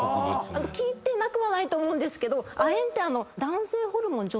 効いてなくはないと思うんですけど。